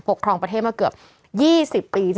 ครองประเทศมาเกือบ๒๐ปี